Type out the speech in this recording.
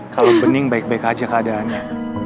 kalau bening baik baik aja keadaannya